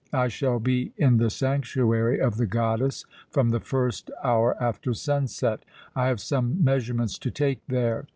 I shall be in the sanctuary of the goddess from the first hour after sunset. I have some measurements to take there.